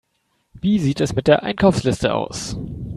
Wie sieht es mit der Einkaufsliste aus?